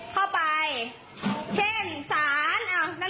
เช่นสารนักเรียนรู้จักรรมสารไหม